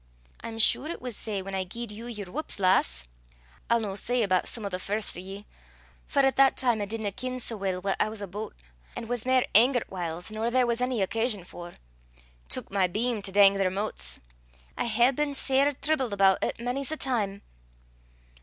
I'm sure it was sae whan I gied you yer whups, lass. I'll no say aboot some o' the first o' ye, for at that time I didna ken sae weel what I was aboot, an' was mair angert whiles nor there was ony occasion for tuik my beam to dang their motes. I hae been sair tribled aboot it, mony's the time."